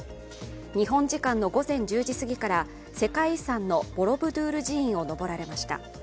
日本時間の午前１０時すぎから世界遺産のボロブドゥール寺院を上られました。